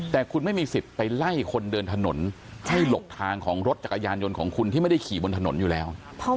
แต่คุณไม่มีสิทธิ์ไปไล่คนเดินถนนให้หลบทางของรถจักรยานยนต์ของคุณที่ไม่ได้ขี่บนถนนอยู่แล้ว